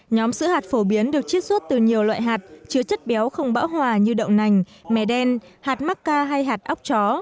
nhóm sữa hạt phổ biến được chiết xuất từ nhiều loại hạt chứa chất béo không bão hòa như đậu nành mè đen hạt mắc ca hay hạt óc chó